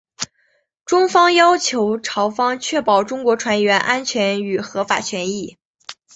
中方要求朝方确保中国船员安全与合法权益。